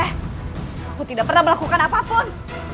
aku tidak pernah melakukan apapun